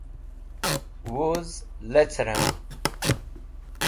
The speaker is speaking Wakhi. Wuz lecrẽn